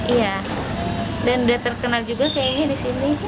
iya dan udah terkenal juga kayaknya disini